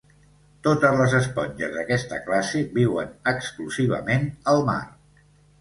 Totes les esponges d'aquesta classe viuen exclusivament al mar.